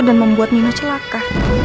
dan membuat nino celaka